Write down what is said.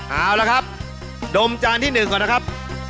เอาละครับดมจานที่๑ก่อนนะครับ